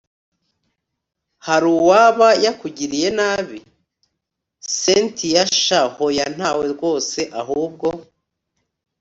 haruwaba yakugiriye nabi!? cyntia sha hoya ntawe rwose, ahubwo